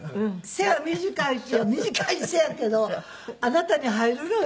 背は短い短い背やけどあなたに入るのよ。